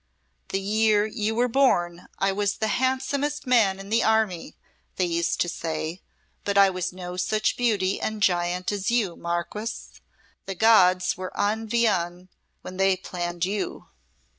"The year you were born I was the handsomest man in the army, they used to say but I was no such beauty and giant as you, Marquess. The gods were en veine when they planned you."